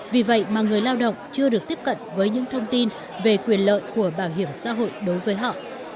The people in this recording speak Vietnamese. vì vậy mà người lao động chưa được tiếp cận với những thông tin về quyền lợi của bảo hiểm xã hội đối với họ